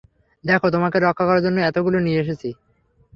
দেখো, তোমাকে রক্ষা করার জন্য এগুলো নিয়ে এসেছি।